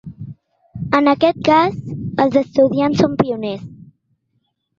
En aquest cas, els estudiants són pioners.